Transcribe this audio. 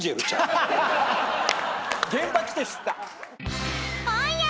現場来て知った。